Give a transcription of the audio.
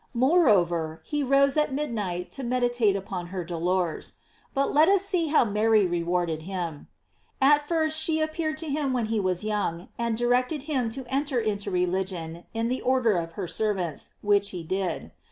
Moreover, he rose at midnight to meditate upon her dolors. But let us see how Mary rewarded him. At first she appeared to him when he was young, and directed him to enter into religion in the order * P. Kecup. de Sign. Fruct. Sign. IS. 724 GLORIES OF MAEY. of her Servants, which he did.